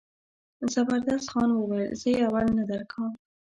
زبردست خان وویل زه یې اول نه ورکوم.